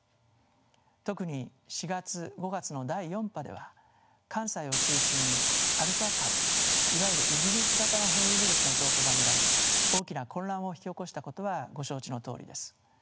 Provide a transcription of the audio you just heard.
特に４月５月の第４波では関西を中心にアルファ株いわゆるイギリス型の変異ウイルスの増加が見られ大きな混乱を引き起こしたことはご承知のとおりです。